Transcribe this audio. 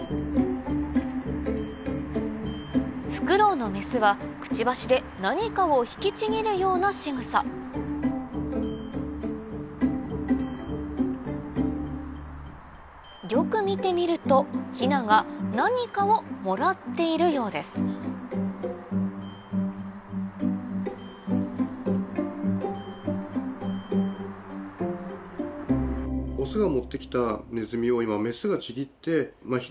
フクロウのメスはくちばしで何かを引きちぎるようなしぐさよく見てみるとヒナが何かをもらっているようですヒナが。